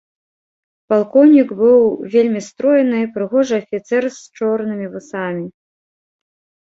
Палкоўнік быў вельмі стройны, прыгожы афіцэр з чорнымі вусамі.